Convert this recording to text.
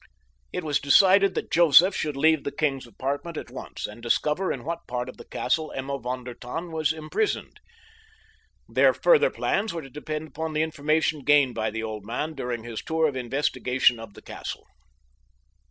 It was decided that Joseph should leave the king's apartment at once and discover in what part of the castle Emma von der Tann was imprisoned. Their further plans were to depend upon the information gained by the old man during his tour of investigation of the castle.